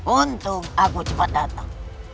untung aku cepat datang